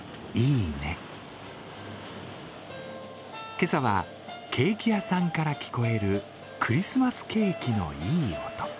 今朝はケーキ屋さんから聞こえるクリスマスケーキのいい音。